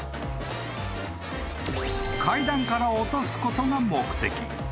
［階段から落とすことが目的］